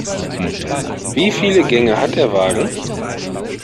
Wieviele Gänge hat der Wagen?